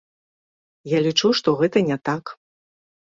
Я лічу, што гэта не так.